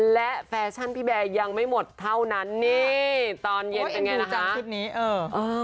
และแฟชั่นพี่แบร์ยังไม่หมดเท่านั้นนี่ตอนเย็นเป็นยังไงนะคะ